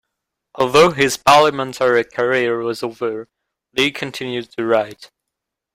Although his parliamentary career was over, Lee continued to write.